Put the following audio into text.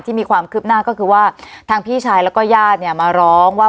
ที่มีความคืบหน้าก็คือว่าทางพี่ชายแล้วก็ญาติเนี่ยมาร้องว่า